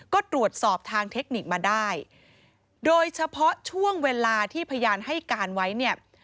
ก็ตรวจสอบทางเทคนิคมาได้โดยเฉพาะช่วงเวลาที่พยานให้การไว้เนี่ย